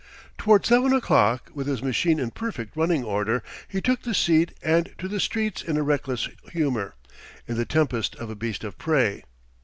Toward seven o'clock, with his machine in perfect running order, he took the seat and to the streets in a reckless humour, in the temper of a beast of prey.